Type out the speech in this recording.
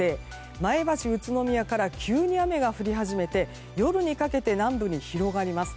前橋、宇都宮から急に雨が降り始めて夜にかけて南部に広がります。